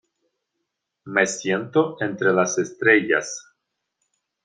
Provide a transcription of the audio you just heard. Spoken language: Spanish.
Me siento entre las estrellas